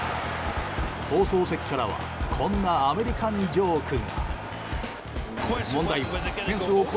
放送席からはこんなアメリカンジョークが。